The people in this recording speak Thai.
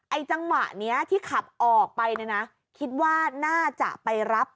จังหวะนี้ที่ขับออกไปเนี่ยนะคิดว่าน่าจะไปรับ